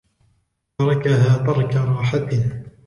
تَرَكَهَا تَرْكَ رَاحَةٍ